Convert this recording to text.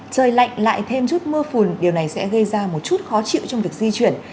trời lạnh lại thêm chút mưa phùn điều này sẽ gây ra một chút khó chịu trong việc diễn